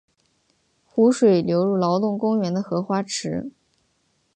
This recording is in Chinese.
湖水流入劳动公园的荷花池。